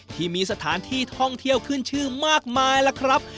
ที่มีสถานที่ท่องเที่ยวขึ้นชื่อมากมายล่ะครับ